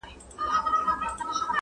د ډېري اغزى، د يوه غوزى.